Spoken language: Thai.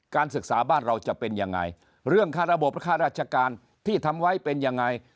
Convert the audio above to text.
ศึกษาบ้านเราจะเป็นยังไงเรื่องค่าระบบค่าราชการที่ทำไว้เป็นยังไง